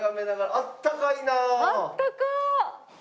あったかい！